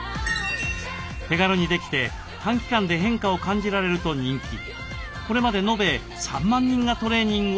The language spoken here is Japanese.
手軽にできて短期間で変化を感じられると人気。